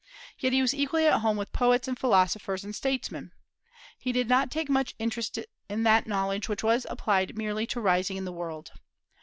Yet he was equally at home with poets and philosophers and statesmen. He did not take much interest in that knowledge which was applied merely to rising in the world.